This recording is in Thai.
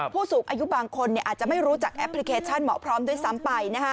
ผู้สูงอายุบางคนอาจจะไม่รู้จักแอปพลิเคชันหมอพร้อมด้วยซ้ำไป